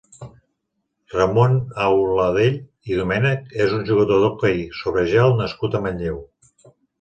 Ramon Auladell i Domènech és un jugador d'hoquei sobre gel nascut a Manlleu.